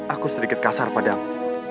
aku sedikit kasar padamu